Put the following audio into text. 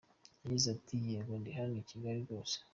Yagize ati: "Yego ndi hano i Kigali rwose.